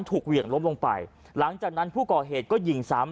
เหวี่ยงล้มลงไปหลังจากนั้นผู้ก่อเหตุก็ยิงซ้ำ